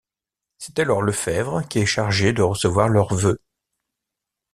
C'est alors Lefebvre qui est chargé de recevoir leurs vœux.